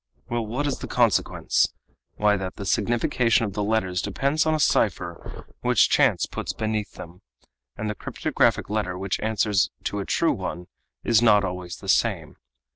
Well, what is the consequence? Why, that the signification of the letters depends on a cipher which chance puts beneath them, and the cryptographic letter which answers to a true one is not always the same.